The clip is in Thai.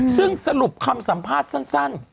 ซึ่งสรุปคำสัมภาษณ์สั้น